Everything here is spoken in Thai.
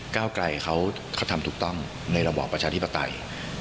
ก้าวไกลเขาทำถูกต้องในระบอบประชาธิปไตย